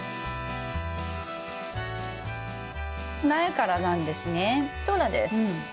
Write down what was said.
苗からなんですね。